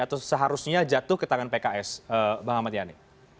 atau seharusnya jatuh ke tangan pks bang ahmad yani